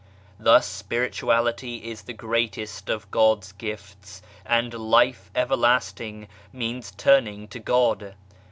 Thus, Spirituality is the greatest of God's gifts, and " Life Everlasting " means " Turning to God."